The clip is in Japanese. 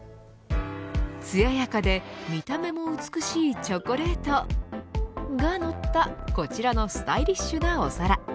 艶やかで見た目も美しいチョコレートがのったこちらのスタイリッシュなお皿。